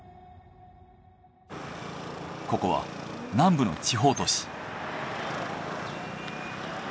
ここは南部の地方都市。